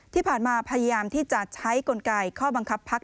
ที่ผ่านมาพยายามที่จะใช้กลไกข้อบังคับภักดิ์